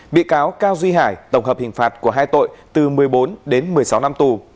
bị cáo cao duy hải tổng hợp hình phạt của hai tội từ một mươi bốn đến một mươi sáu năm tù